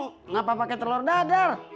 kenapa pakai telur dadar